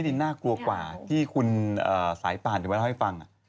อันนี้น่ากลัวกว่าที่คุณสายป่านจริงไหมให้ฟัง